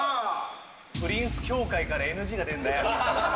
プリンス協会からＮＧが出るんだよ。